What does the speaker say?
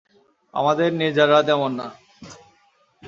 আমাদের নির্জারা তেমন না।